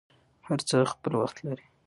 هر څه خپل وخت لري.